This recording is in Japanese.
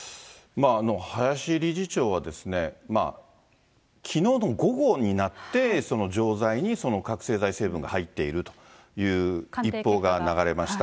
林理事長は、きのうの午後になって、錠剤に覚醒剤成分が入っているという一報が流れました。